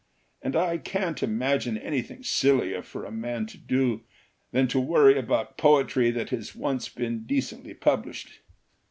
And I can't imagine anything sillier for a man to do than to worry about poetry that has once been decently published.